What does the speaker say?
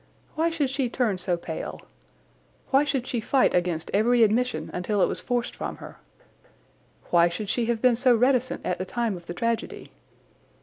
Why should she turn so pale? Why should she fight against every admission until it was forced from her? Why should she have been so reticent at the time of the tragedy?